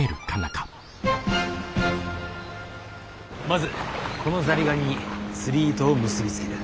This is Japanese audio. まずこのザリガニに釣り糸を結び付ける。